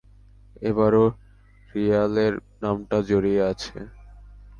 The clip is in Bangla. এবারও রিয়ালের নামটা জড়িয়ে আছে।